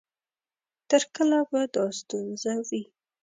تر کله به دا ستونزه وي؟